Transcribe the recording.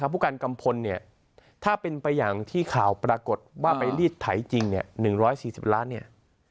ผู้การกัมพลเนี่ยถ้าเป็นไปอย่างที่ข่าวปรากฏว่าไปรีดไถจริง๑๔๐ล้านเนี่ย